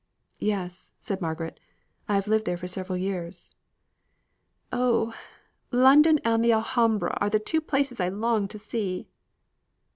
"Yes," said Margaret, "I have lived there for several years." "Oh! London and the Alhambra are the two places I long to see!"